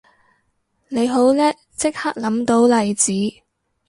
你好叻即刻諗到例子